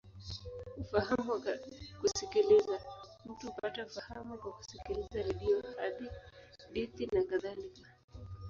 Ufahamu wa kusikiliza: mtu hupata ufahamu kwa kusikiliza redio, hadithi, nakadhalika.